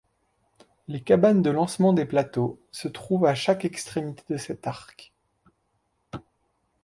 Les cabanes de lancement des plateaux se trouvent à chaque extrémité de cet arc.